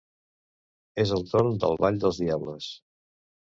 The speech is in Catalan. És el torn del ball dels diables.